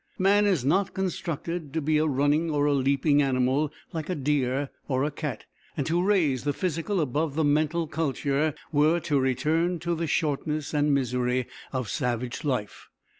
Man is not constructed to be a running or a leaping animal like a deer or a cat, and to raise the physical above the mental culture were to return to the shortness and misery of savage life.